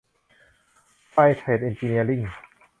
ไฟร์เทรดเอ็นจิเนียริ่ง